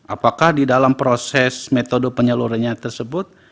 apakah di dalam proses metode penyalurannya tersebut